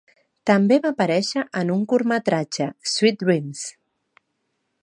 També va aparèixer en un curtmetratge, "Sweet Dreams".